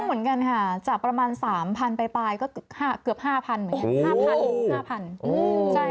คุณเหมือนกันค่ะจากประมาณ๓๐๐๐ไปปลายก็เกือบ๕๐๐๐ไหมครับ